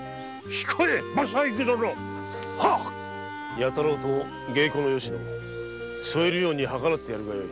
弥太郎と芸妓のよし乃添えるよう計らってやるがよい。